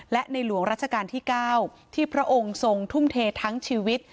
และในหลวงรัชกาลที่๙ที่พระองค์ทรงทุ่มเททั้งชีวิต